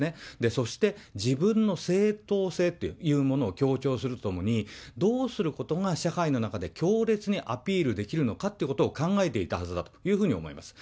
そして、自分の正当性っていうものを強調するとともに、どうすることが社会の中で強烈にアピールできるのかってことを考えていたはずだというふうに思います。